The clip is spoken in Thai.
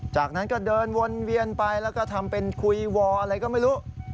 จากนั้นก็เดินวนเวียนไปแล้วก็ทำเป็นคุยวออะไรก็ไม่รู้